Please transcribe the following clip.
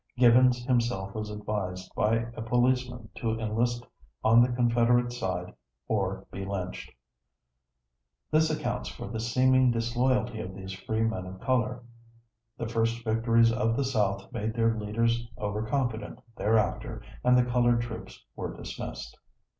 Gibbons himself was advised by a policeman to enlist on the Confederate side or be lynched. This accounts for the seeming disloyalty of these free men of color. The first victories of the South made their leaders overconfident thereafter and the colored troops were dismissed.